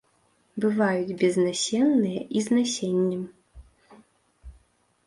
Бываюць безнасенныя і з насеннем.